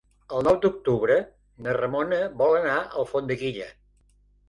El nou d'octubre na Ramona vol anar a Alfondeguilla.